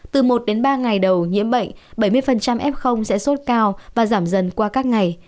từ một đến ba ngày đầu nhiễm bệnh bảy mươi f sẽ sốt cao và giảm dần qua các ngày